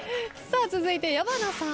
続いて矢花さん。